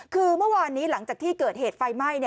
คือเมื่อวานนี้หลังจากที่เกิดเหตุไฟไหม้